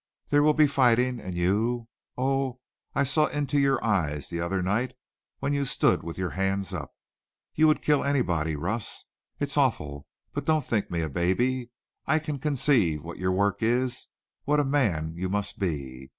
"There will be fighting. And you oh, I saw into your eyes the other night when you stood with your hands up. You would kill anybody, Russ. It's awful! But don't think me a baby. I can conceive what your work is, what a man you must be.